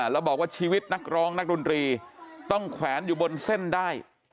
แล้วบอกว่าชีวิตนักร้องนักดนตรีต้องแขวนอยู่บนเส้นได้